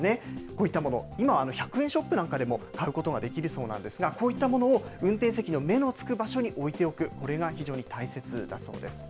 こういったもの、今、１００円ショップなどでも買うことができるそうなんですが、こういったものを運転席の目のつく場所に置いておく、これが非常に大切だそうです。